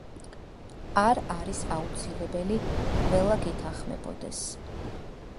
არ არის აუცილებელი, ყველა გეთანხმებოდეს.